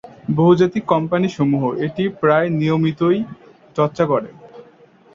বহুজাতিক কোম্পানিসমূহ এটি প্রায় নিয়মিতই চর্চা করে।